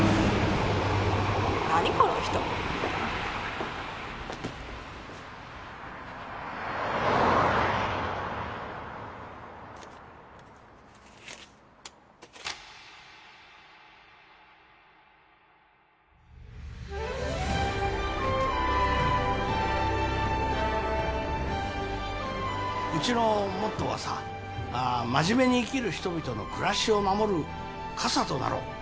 何この人うちのモットーはさ「真面目に生きる人々の暮らしを守る傘となろう」